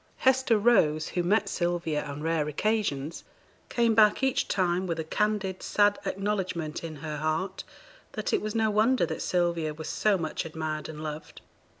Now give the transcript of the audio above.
Hester Rose, who met Sylvia on rare occasions, came back each time with a candid, sad acknowledgement in her heart that it was no wonder that Sylvia was so much admired and loved.